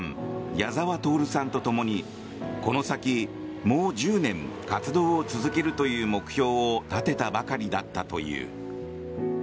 矢沢透さんとともにこの先もう１０年活動を続けるという目標を立てたばかりだったという。